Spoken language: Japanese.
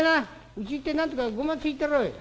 うち行ってなんとかごまついてろい。